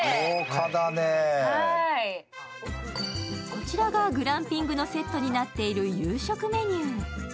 こちらがグランピングのセットになっている夕食メニュー。